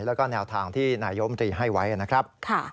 แล้วก็แนวทางที่นายมตรีให้ไว้นะครับ